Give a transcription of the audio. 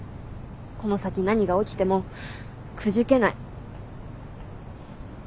この先何が起きてもくじけない。